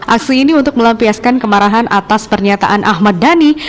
aksi ini untuk melampiaskan kemarahan atas pernyataan ahmad dhani